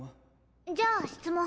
じゃあ質問。